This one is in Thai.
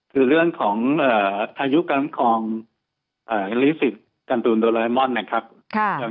คือเรื่องของอายุกลางครองลิขสิทธิ์กันตูนโดราเอมอนนะครับ